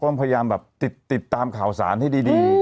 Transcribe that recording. ต้องพยายามติดตามข่าวสารให้ดี